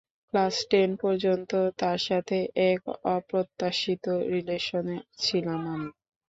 Class ten পর্যন্ত তার সাথে এক অপ্রত্যাশিত রিলেশনে ছিলাম আমি।